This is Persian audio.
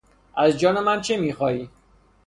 از جان من چه میخواهی؟